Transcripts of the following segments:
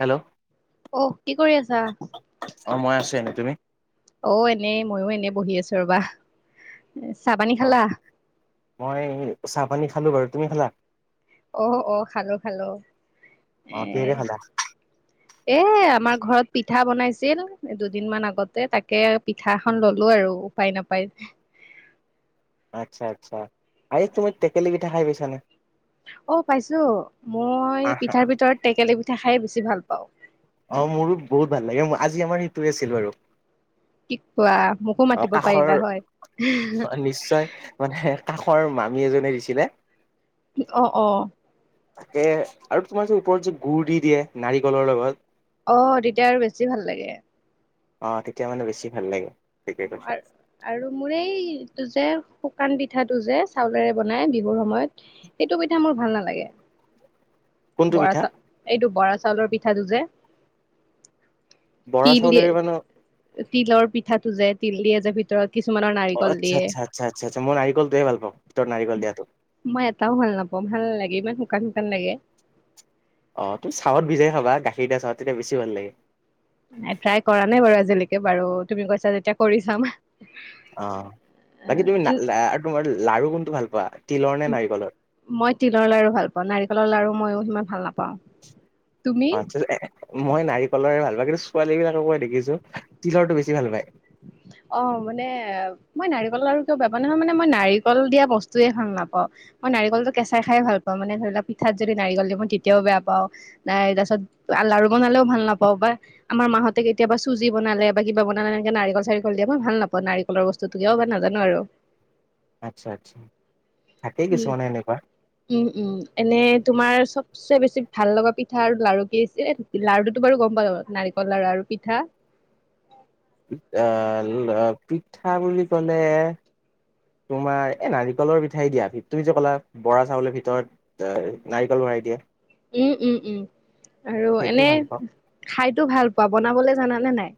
Hello. অহ, কি কৰি আছা? অ' মই আছোঁ এনে তুমি? অ' এনেই মইও এনে বহি আছো ৰবা। চাহ পানী হয় খালা? মই চাহপানী খালোঁ বাৰু, তুমি খালা? অ', অ', খালোঁ, খালোঁ অ এ কিহেৰে খালা এ আমাৰ ঘৰত পিঠা বনাইছিল দুদিনমান আগতে তাকে পিঠা এখন ললো আৰু। উপায় নাপাই। আচ্ছা আচ্ছা। [unintelligible] তুমি টেকেলি পিঠা খাই পাইছানে? অ' পাইছো, মই আহ পিঠাৰ ভিতৰত টেকেলি পিঠা খায়ে বেছি ভাল পাওঁ। অ' মোৰো বহুত ভাল লাগে আজি আমাৰ সেইটোৱে আছিল বাৰু। কি কোৱা, মোকো অ মাতিব কাষৰ পাৰিলা হয়। নিশ্চয় মানে কাষৰ মামী এজনে দিছিলে। অ', অ'। তাকে আৰু তোমাৰ যে ওপৰত যে গুড় দি দিয়ে নাৰিকলৰ লগত অ' তেতিয়া আৰু বেছি ভাল লাগে। অ' তেতিয়া মানে বেছি ভাল লাগে, ঠিকে কৈছা। আৰ- আৰু মোৰ এই যে শুকান পিঠাটো যে চাউলেৰে বনাই বিহুৰ সময়ত সেইটো পিঠা মোৰ ভাল নালাগে। কোনটো বৰা পিঠা চা, এইটো বৰা চাউলৰ পিঠাটো যে। বৰা তিল দিয়ে, চাউলেৰে মানে তিলৰ পিঠাটো যে তিল দিয়ে যে ভিতৰত কিছুমানৰ নাই। অ' আচ্ছা, আচ্ছা, আচ্ছা, আচ্ছা, আচ্ছা মই নাৰিকলটোহে ভাল পাওঁ। ভিতৰত নাৰিকল দিয়াটো। মই এটাও ভাল নাপাওঁ, ভাল নালাগে ইমান শুকান শুকান লাগে। অ', তুমি চাহত ভিজাই খাবা, গাখীৰ দিয়া চাহত তেতিয়া বেছি ভাল লাগে। ট্ৰাই কৰা নাই বাৰু আজিলৈকে বাৰু, তুমি কৈছা যেতিয়া কৰি চাম। অ', বাকী তুমি আৰু তোমাৰ লাৰু কোনটো ভাল পোৱা তিলৰ নে নাৰিকলৰ? মই তিলৰ লাৰু ভাল পাওঁ, নাৰিকলৰ লাৰু মইও সিমান ভাল নাপাওঁ। তুমি অ মই নাৰিকলৰে ভাল পায় কিন্তু ছোৱালী বিলাকক মই দেখিছো তিলৰটো বেছি ভাল পায় অঁ, মানে। মই নাৰিকলৰ লাৰু কিয় বেয়া, নহয় মানে মই নাৰিকল দিয়া বস্তুৱেই ভাল নাপাওঁ মই নাৰিকলটো কেঁচাই খাই ভাল পাওঁ মানে ধৰি লওক পিঠাত যদি নাৰিকল দিওঁ মই তেতিয়াও বেয়া পাওঁ নাই, তাৰ পিছত আ লাৰু বনালেও ভাল নাপাবও পাৰে। আমাৰ মাঁ হতে কেতিয়াবা চুজি বনালে বা কিবা বনালে এনেকে নাৰিকল- চাৰিকল দিয়া মই ভাল নাপাও নাৰিকলৰ বস্তুটো কিয় বা নাজানো আৰু। আচ্ছা আচ্ছা থাকেই কিছু উম মান এনেকুৱা! উম, উম এনে তোমাৰ চব! চবচে বেছি ভাল লগা পিঠা আৰু লাৰু কি? [unintelligible] লাৰুটো বাৰু গম পালো, নাৰিকল লাৰু আৰু পিঠা! আহ অ পিঠা বুলি ক'লে তোমাৰ এ নাৰিকলৰ পিঠাই দিয়া তুমি যে ক'লা বৰা চাউলৰ ভিতৰত। [unintelligible] নাৰিকল ভৰাই দিয়ে। উম, উম উম আৰু সেইটো এনে ভাল পাওঁ খাইতো ভাল পোৱা, বনাবলে জানানে নাই?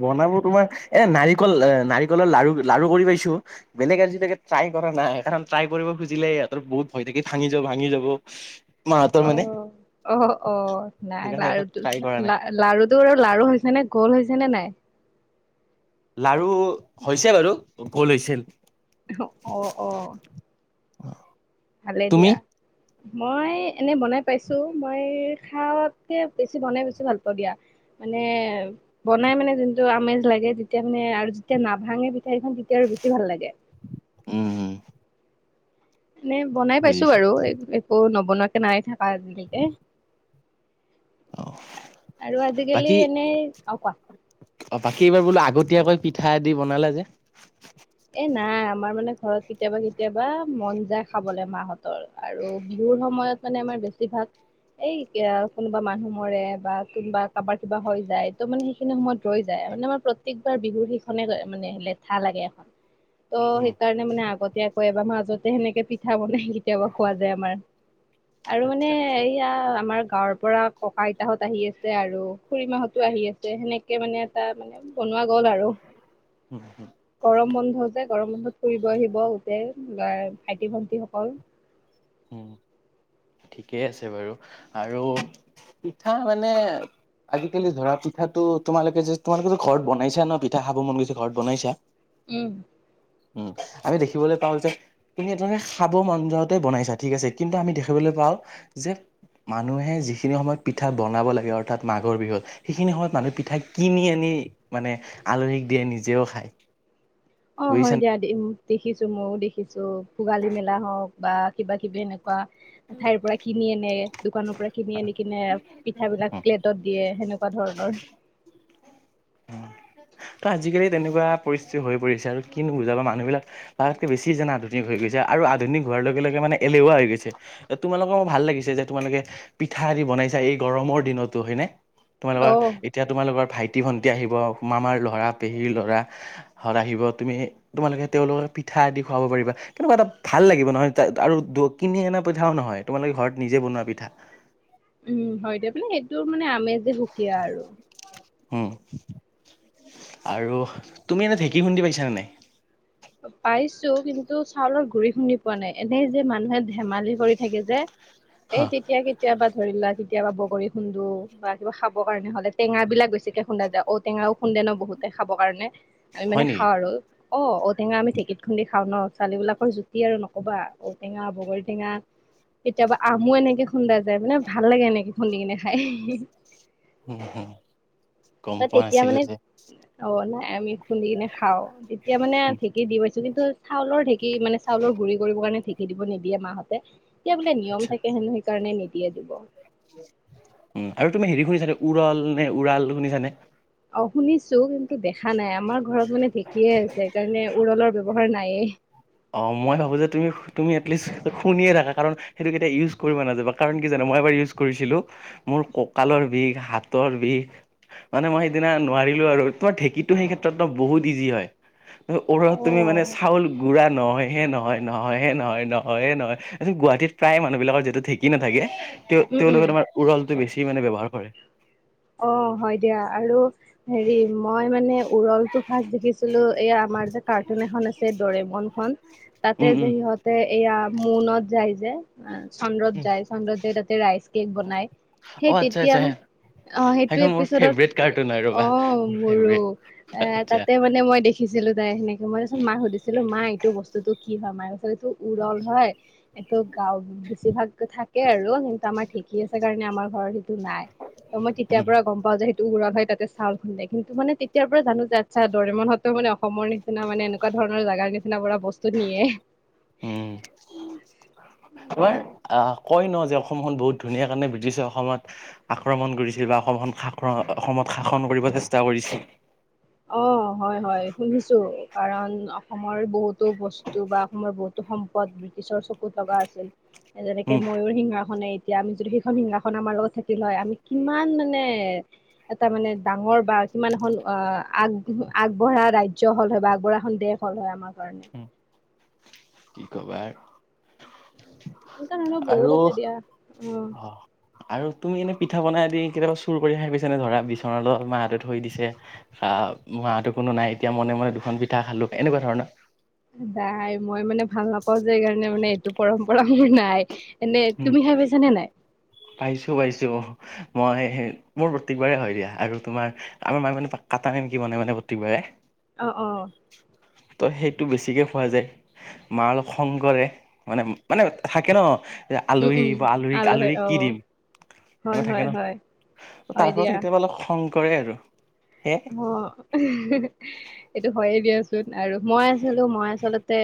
বনাব তোমাৰ এ নাৰিকল এ নাৰিকলৰ লাড়ু লাড়ু কৰি পাইছোঁ। বেলেগ আজিলৈকে ট্ৰাই কৰা নাই কাৰণ ট্ৰাই কৰিব খুজিলে সিহঁতৰ বহুত ভয় থাকে, ভাঙি যাব -ভাঙি যাব। মাহঁতৰ অ, মানে অ অ নাই সেইকাৰণে লাৰুটো ট্ৰাই কৰা নাই লা! লাৰুটোৰ লাৰু হৈছেনে গোল হৈছে নে নাই? লাৰু হৈছে বাৰু, গোল হৈছিল। অ, অ- অ [inaudible] ভালে তুমি দিয়া মই এনে বনাই পাইছোঁ মই খাওঁৱাতকে বেছি বনাই বেছি ভাল পাওঁ দিয়া মানে বনাই মানে যোনটো আমেজ লাগে, তেতিয়া মানে আৰু যেতিয়া নাভাঙে! সেইখন তেতিয়া আৰু বেছি ভাল লাগে। উম উম! এনে বনাই পাইছো বুজিছো বাৰু এ-একো নবনোৱাকে নাই থকা আজিলৈকে। অ আৰু আজিকালি এনেই, অ', কোৱা? অ বাকী এইবাৰ বোলো আগতীয়াকৈ পিঠায়ে দি বনালা যে! এ নাই আমাৰ মানে ঘৰত কেতিয়াবা কেতিয়াবা মন যায় খাবলৈ মাহঁতৰ আৰু বিহুৰ সময়ত মানে আমাৰ বেছি ভাগ এই আ কোনোবা মানুহ মৰে বা কোনোবা কাৰোবাৰ কিবা হৈ যায়, ত' মানে সেইখিনি সময়ত! ৰৈ যায় মানে, আমাৰ প্ৰত্যেকবাৰ বিহুৰ সেইখনে মানে লেঠা লাগে এখন ত' উম সেইকাৰ ণে মানে আগতীয়াকৈ এবাৰ মাজতে সেনেকে পিঠা বনাই কেতিয়াবা খোৱা যায় আমাৰ। আৰু আচ্ছা মানে এই! আচ্ছা এতিয়া আমাৰ গাঁৱৰ পৰা ককা আইতাহঁত আহি আছে আৰু খুুৰী মাহঁতো আহি আছে সেনেকে মানে এটা মানে! বনোৱা গ'ল আৰু হুম হুম গৰম বন্ধ যে, গৰম বন্ধত ফুৰিব আহিব গোটেই গহ ভাইটি ভন্টিসকল। হম। ঠিকেই আছে বাৰু আৰু পিঠা মানে আজিকালি ধৰা পিঠাটো তোমালোকে যে তোমালোকেতো ঘৰত বনাইছা ন' পিঠা খাব মন গৈছে ঘৰত বনাইছা? উম উম, আমি দেখিবলৈ পাওঁ যে তুমি এই ধৰণে খাব মন যাওঁতে বনাইছা ঠিক আছে, কিন্তু আমি দেখিবলৈ পাওঁ যে! মানুহে যিখিনি সময়ত পিঠা বনাব লাগে, অৰ্থাৎ মাঘৰ বিহুত সেইখিনি সময়ত মানুহে পিঠা কিনি আনি মানে আলহীক দিয়ে। নিজেও খায়। অ', বুজিছা হয়। দিয়া দি উ, দেখিছো, ময়ো দেখিছো। ভোগালী মেলা হওঁক বা কিবা কিবি এনেকুৱা ঠাইৰ পৰা কিনি আনে দোকানৰ পৰা কিনি আনি কিনে। পিঠ বিলাক নে? প্লেটত দিয়ে। সেনেকুৱা ধৰণৰ ত', আজিকালি তেনেকুৱা পৰিস্থিতি হৈ পৰিছে আৰু কিনো বুজাবা মানুহবিলাক তাকে বেছি যেন আধুনিক হৈ গৈছে, আৰু আধুনিক হোৱাৰ লগে লগে মানে এলেহুৱা হৈ গৈছে। তোমালোকৰ মোৰ ভাল লাগিছে যে, তোমালোকে পিঠা যে বনাইছা। এই গৰমৰ দিনতো হয় নে? তোমালোকৰ অ। এতিয়া তোমালোকৰ ভাইটি ভন্টি আহিব মামাৰ ল'ৰা পেহীৰ ল'ৰা ঘৰত আহিব তুমি তোমালোকে তেওঁলোকক পিঠা আদি খুৱাব পাৰিবা। কেনেকুৱা এটা ভাল লাগিব নহয় আৰু কিনি অনা পিঠাও নহয়। তোমালোকে ঘৰত নিজে বনোৱা পিঠা উম', হয়। দিয়া মানে সেইটোৰ মানে আমেজে সুকীয়া আৰু উম, আৰু তুমি এনে ঢেঁকী খুন্দি পাইছা নে নাই? পাইছো কিন্তু চাউলৰ গুৰি খুন্দি পোৱা নাই। এনেই যে মানুহে ধেমালি কৰি থাকে যে, এই হা, তেতিয়া কে তিয়াবা ধৰি লোৱা কেতিয়াবা বগৰী খুন্দো বা কিবা খাবৰ কাৰণে হ'লে টেঙা বিলাক বেছিকে খুন্দা যায়। [unintelligible] টেঙাও খুন্দে ন বহুতে খাবৰ কাৰণে আমি হয় মানে নেকি? খাওঁ আৰু অ, [unintelligible] টেঙা আমি ঢেঁকীত খুন্দি খাওঁ ন। ছোৱালী বিলাকৰ জুতি আৰু নক'বা ঔটেঙা, বগৰী টেঙা, কেতিয়াবা আমো এনেকে খুন্দা যায়, মানে ভাল লাগে, এনেকে খুন্দি কিনে খাই। উম', হুম, ত', তেতিয়া মানে অ, নাই। আমি খুন্দি কিনে খাওঁ। তেতিয়া মানে ঢেঁকী দি পাইছো। কিন্তু চাউলৰ ঢেঁকী মানে চাউলৰ গুৰি কৰিবৰ কাৰণে ঢেঁকী দিব নিদিয়ে মাহঁতে কিবা বোলে। নিয়ম আচ্ছা। থাকে সেনো সেই কাৰণে নিদিয়ে দিব উম', আৰু তুমি হেৰি শুনিছা নে? উৰল নে উৰাল শুনিছা নে? অ', শুনিছো। কিন্তু দেখা নাই। আমাৰ ঘৰত মানে ঢেঁকীয়ে আছে। সেইকাৰণে উৰলৰ ব্যৱস্থা ঘৰত নাইয়ে। অ', মই ভাবোঁ যে তুমি তুমি এটলিষ্ট শুনিয়ে থাকা। কাৰণ সেইটো কেতিয়া ইউজ কৰিব নাযাবা কাৰণ কি জানা মই এবাৰ ইউজ কৰিছিলো। মোৰ কঁকালৰ বিষ হাতৰ বিষ মানে মই সেইদিনা নোৱাৰিলো আৰু তোমাৰ ঢেকীটো সেই ক্ষেত্ৰত বহুত ইজি হয়। ওপৰত তুমি মানে উম চাউল নহয় হে, নহয়। নহয় হে, নহয়। নহয়ে। নহয়। গুৱাহাটীত প্ৰায় মানুহ বিলাকৰ যিহেতু ঢেকি নাথাকে। তেওঁ উম তেওঁলোকে তোমাৰ উৰলটো বেছি মানে ব্যৱহাৰ কৰে। অ', হয়। দিয়া আৰু হেৰি মই মানে উৰলটো ফাষ্ট দেখিছিলোঁ। এই আমাৰ যে কাৰ্টুন এখন আছে। দৰেমন খন উম তাতে উম যে সিহঁত তাতে এয়া মনত যাই যে চন্দ্ৰত উম যায় চন্দ্ৰত যায়। তাতে ৰাইচ কেক বনাই অ সেই আচ্ছা তেতিয়া আচ্ছা অ', সেইটো সেইখন মোৰ এপিচডত ফেভৰেট কাৰ্টুন হয় অ, ৰ'বা মোৰো ফেভৰেট এ আচ্ছা তাতে মানে মই দেখি দেখিছিলো। তাই সেনেকে মই তাছত মাক সুধিছিলো মা এইটো বস্তুতটো কি হয় মাৰ পাছতটো উৰল হয়। এইটো গাঁও বেছিভাগ থাকে, আৰু কিন্তু আমাৰ ঢেকি আছে। কাৰণে আমাৰ ঘৰত সেইটো নাই। অ', মই উম, তেতিয়াৰ পৰা গ'ম পাওঁ যে, উৰল হয়। তাতে চাউল খুন্দে কিন্তু মানে তেতিয়া পৰা জানো যে আচ্ছা দৰেমনহঁতো মানে অসমৰে নিচিনা মানে এনেকুৱা ধৰণৰ জাগা নিচিনা পৰা বস্তু নিয়ে। উম', তোমাৰ আহ কয় ন যে, অসমখন বহুত ধুনীয়া কাৰণে ব্ৰিটিছে অসমত আক্ৰমণ কৰিছিল বা অসম খন শাক্ৰ অসমত শাসন কৰিব চেষ্টা কৰিছে। অ, হয়-হয় শুনিছোঁ কাৰণ অসমৰ বহুতো বস্তু বা অসমৰ বহুতো সম্পদ ব্ৰিটিছৰ চকুত লগা আছিল যেনেকে উম, এই ময়ূৰ সিংঘাখনে এতিয়া আমি যদি সেইখন সিংঘাখন আমাৰ লগত থাকিল হয় আমি কিমান মানে এটা মানে ডাঙৰ বা কিমান এখন অ, আগ-আগবঢ়া ৰাজ্য হ'ল হয় বা আগবঢ়া এখন দেশ হ'ল হয় আমাৰ কাৰণে। হম, কি ক'বা আৰু। এনেকুৱা ধৰণৰ বহুত আৰু আছে দিয়া। অ', অহ, আৰু তুমি এনে পিঠা পনা আদি কেতিয়াবা চুৰ কৰি খাই পাইছা নে ধৰা বিচনাতলত ধৰা মাহঁতে থৈ দিছে আহ মাহঁতো কোনো নাই এতিয়া মনে-মনে দুখন পিঠা খালোঁ এনেকুৱা ধৰণৰ? [unintelligible] মই মানে ভাল নাপাওঁ যে এইকাৰণে মানে এইটো পৰম্পৰা মোৰ নাই। এনে তুমি খাই পাইছা নে নাই? পাইছোঁ-পাইছোঁ মই মোৰ প্ৰত্যেকবাৰে হয় দিয়া আৰু তোমাৰ আমাৰ মায়ে মানে কাটা নিমকি বনাই মানে প্ৰত্যিকবাৰে। অ', অ', ত' সেইটো বেছিকে খোৱা যায়। মা অলপ খং কৰে মানে-মানে থাকে ন' যে উম, আলহী উম, আহিব আলহী আলহীক-আলহীক কি অ', দিম হয়, [unintelligible] থাকে হয়, ন, হয়। হয় ত'তাৰ ফলত দিয়া কেতিয়াবা অলপ খং কৰে আৰু সে অ, [unintelligible] এইটো হয়ে দিয়াচোন আৰু মই আছিলোঁ মই আচলতে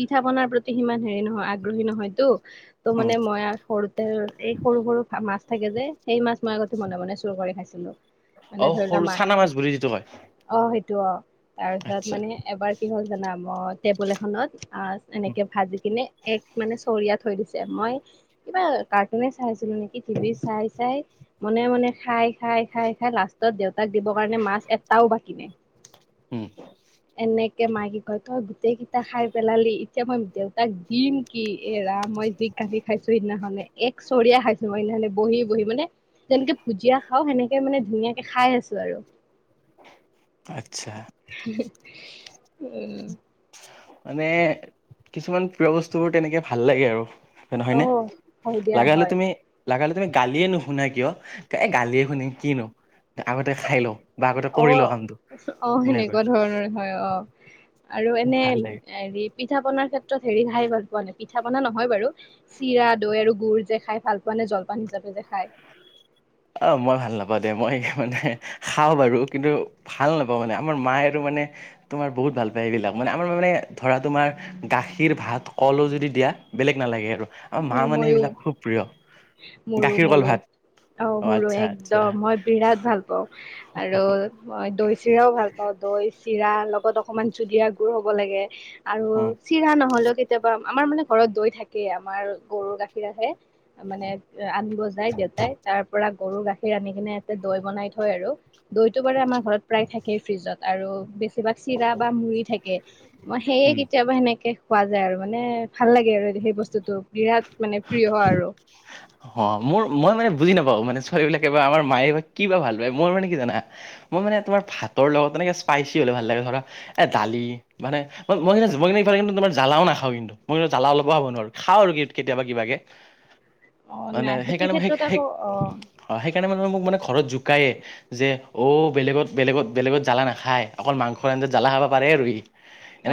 পিঠা পনাৰ প্ৰতি সিমান হেৰি নহয় আগ্ৰহী নহয়তো ত' উম মানে মই সৰু তে এই সৰু - সৰু মাছ থাকে যে সেই মাছ মই আগতে মনে-মনে চুৰ কৰি খাইছিলোঁ। অ, সৰু চানা মাছ বুলি যিটো কয়? অ, সেইটো অ, তাৰপিছত আচ্ছা মানে এবাৰ কি হ'ল জানা টেবুল এখনত [unintelligible] এনেকে ভাজি কিনে এক মানে চৰিয়া থৈ দিছে মই কিবা কাৰ্টুনে চাই আছিলোঁ নেকি টিভি চাই- চাই মনে - মনে খাই-খাই-খাই-খাই লাষ্টত দেউতাক দিব কাৰণে মাছ এটাও বাকী নাই। উম, [inaudible] এনেকে মায়ে কি কয় তই গোটেই কেইটা খাই পেলালি এতিয়া মই দেউতাক দিম কি এ ৰাম মই যি গালি খাইছোঁ সেইদিনাখনে এক চৰিয়া খাইছোঁ মই সেইদিনাখনে বহি-বহি মানে যেনকে ভুজিয়া খাওঁ সেনেকে মানে ধুনীয়াকে খাই আছো আৰু। আচ্ছা। [unintelligible] মানে কিছুমান প্ৰিয় বস্তুবোৰ তেনেকে ভাল লাগে আৰু। ত'নহয় অ নে হয় দিয়া লাগা হলে হয় তুমি লগাহ'লে তুমি গালিয়ে নুশুনা কিয় এ গালিয়ে শুনি কিনো তে আগতে খাই লওঁ বা আগতে কৰি অ লওঁ কামটো অ সেনেকুৱা। ধৰণৰ হয় অ, আৰু এনে ভাল লাগে এৰি পিঠা পনাৰ ক্ষেত্ৰত হেৰি খাই ভাল পোৱা নাই পিঠা পনা নহয় বাৰু চিৰা, দৈ আৰু গুৰ যে খাই ভাল পোৱা নে জলপান হিচাপে যে খাই? অ, মই ভাল নাপাওঁ দিয়া মই মানে খাওঁ বাৰু কিন্তু ভাল নাপাওঁ মানে আমাৰ মায়ে আৰু মানে তোমাৰ বহুত ভাল পায় এইবিলাক মানে আমাৰ মা মানে ধৰা তোমাৰ গাখীৰ, ভাত, কলো যদি দিয়া বেলেগ নালাগে আৰু। আমাৰ মাৰ মানে মইয়ো সেইবিলাক খুব প্ৰিয় গাখীৰ, কল, ভাত। অঁ! অ মোৰো আচ্ছা আচ্ছা একদম মই বিৰাট ভাল পাওঁ আৰু মই দৈ, চিৰাও ভাল পাওঁ। দৈ, চিৰা লগত অকমান জুলিয়া গুৰ হ'ব লাগে। আৰু উম চিৰা নহ'লেও কেতিয়াবা আমাৰ মানে ঘৰত দৈ থাকেই আৰু। আমাৰ গৰুৰ গাখীৰ আহে মানে আনিব যায় দেউতাই। তাৰ পৰা গৰু গাখীৰ আনি কিনে ইয়াতে দৈ বনাই থয় আৰু। দৈটো বাৰু আমাৰ ঘৰত প্ৰায় থাকেই ফ্ৰিজত আৰু বেছি কিবা চিৰা বা মুড়ি থাকে। মই সেয়ে উম কেতিয়াবা সেনেকে পোৱা যায় আৰু মানে ভাল লাগে আৰু সেই বস্তুটো, বিৰাট মানে প্ৰিয় আৰু। অঁ! মোৰ মই মানে বুজি নাপাওঁ মানে ছোৱালী বিলাকে বা আমাৰ মায়ে বা কিবা ভাল পায়। মোৰ মানে কি জানা? মই মানে তোমাৰ ভাতৰ লগত এনেকে স্পাইচি হ'লে ভাল লাগে ধৰা এ দালি মানে মই কি মই ইফালে কিন্তু জালাও নাখাওঁ কিন্তু মই জালা অলপো খাব নোৱাৰো। খাওঁ আৰু কেতিয়াবা কিবাকে। অ মানে নাই সেইটো সেইকাৰণে মই ক্ষেত্ৰত আকৌ অ সেই-সেই সেইকাৰণে মানে মোক মানে ঘৰত জোকায়ে। যে অ বেলেগত-বেলেগত-বেলেগত জ্বালা নাখায় অকল মাংসৰ আঞ্জাত জ্বালা খাব পাৰে আৰু সি।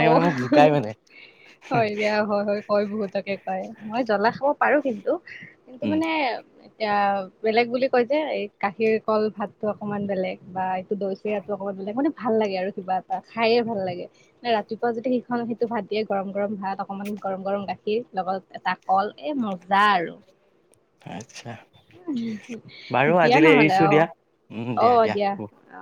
অ [unintelligible] হয় দিয়া হয়-হয়। হয় বহুতকে কয় মই জ্বলা খাব পাৰোঁ কিন্তু। কিন্তু উম মানে এয়া বেলেগ বুলি কৈ যে এই গাখীৰ, কল, ভাতটো অকমান বেলেগ বা এইটো দৈ চিৰাটো অকমান বেলেগ মানে ভাল লাগে আৰু কিবা এটা খাইয়ে ভাল লাগে। ৰাতিপুৱা যদি সিখন সেইটো ভাত দিয়ে গৰম-গৰম ভাত অকমান, গৰম-গৰম গাখীৰ লগত এটা কল এ মজা আৰু। আচ্ছা! বাৰু দিয়া আজিলে নহ'লে এৰিছোঁ অ' দিয়া। উম অ' দিয়া দিয়া-দিয়া। অ'